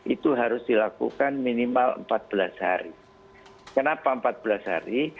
itu harus dilakukan minimal empat belas hari kenapa empat belas hari